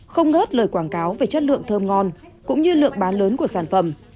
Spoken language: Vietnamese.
không ngớt lời quảng cáo về chất lượng thơm ngon cũng như lượng bán lớn của sản phẩm